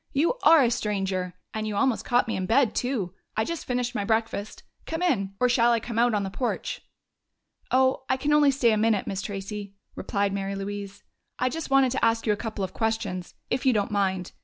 "You are a stranger! And you almost caught me in bed, too! I just finished my breakfast. Come in or shall I come out on the porch?" "Oh, I can only stay a minute, Miss Tracey," replied Mary Louise. "I just wanted to ask you a couple of questions, if you don't mind....